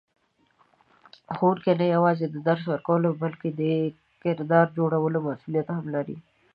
ښوونکی نه یوازې د درس ورکولو بلکې د کردار جوړولو مسئولیت هم لري.